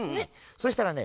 そしたらね